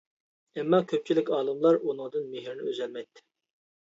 ئەمما كۆپچىلىك ئالىملار ئۇنىڭدىن مېھرىنى ئۈزەلمەيتتى.